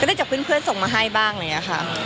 ก็ได้จากเพื่อนเพื่อนส่งมาให้บ้างเนี้ยค่ะ